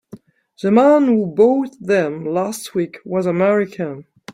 The man who bought them last week was American.